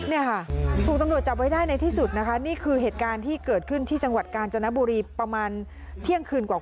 เนี่ยค่ะถูกตำรวจจับไว้ได้ในที่สุดนะคะนี่คือเหตุการณ์ที่เกิดขึ้นที่จังหวัดกาญจนบุรีประมาณเที่ยงคืนกว่า